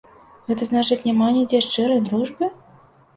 Гэта значыцца, няма нідзе шчырай дружбы?